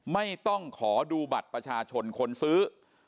ไม่ต้องขอดูบัตรประชาชนคนซื้อ